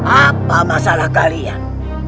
apa masalah kalian